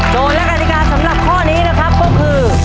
โจทย์และการณิการสำหรับข้อนี้นะครับก็คือ